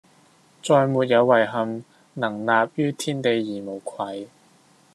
再沒有遺憾，能立於天地而無愧！